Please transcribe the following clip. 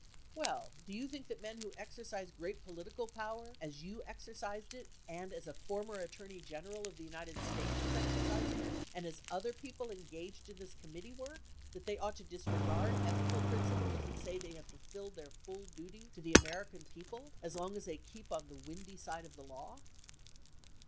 Well, do you think that men who exercise great political power, as you exercised it and as a former Attorney General of the United States was exercising it and as other people engaged in this committee work, that they ought to disregard ethical principles and say they have ful filled their full duty to the American people as long as they keep on the windy side of the law